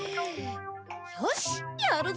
よしやるぞ！